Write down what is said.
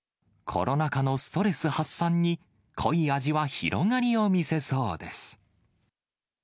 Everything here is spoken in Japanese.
コロナ禍のストレス発散に、濃い味は広がりを見せそうです。